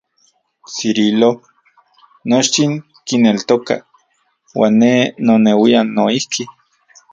Cirilo, nochtin kineltokaj, uan ne noneuian noijki.